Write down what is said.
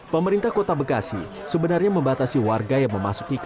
pemerintah kota bekasi sebenarnya membatasi warga yang memasuki kawasan